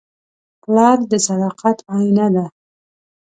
پلار د صداقت آیینه ده.